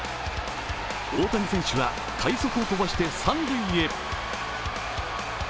大谷選手は快足を飛ばして三塁へ。